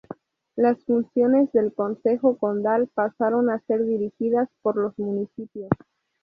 Las funciones del concejo condal pasaron a ser dirigidas por los municipios.